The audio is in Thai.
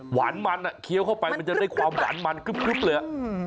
หวานมันอ่ะเคี้ยวเข้าไปมันจะได้ความหวานมันครึ๊บเลยอ่ะ